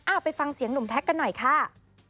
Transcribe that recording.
อ้าวไปฟังเสียงหนุ่มแต๊คกันหน่อยค่ะ